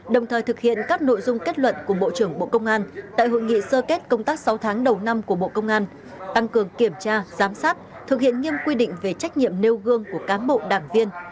đồng thời thực hiện các nội dung kết luận của bộ trưởng bộ công an tại hội nghị sơ kết công tác sáu tháng đầu năm của bộ công an tăng cường kiểm tra giám sát thực hiện nghiêm quy định về trách nhiệm nêu gương của cán bộ đảng viên